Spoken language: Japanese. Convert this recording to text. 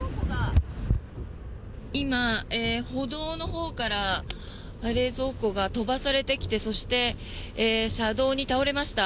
今、歩道のほうから冷蔵庫が飛ばされてきてそして車道に倒れました。